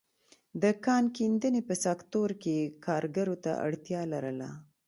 د کان کیندنې په سکتور کې کارګرو ته اړتیا لرله.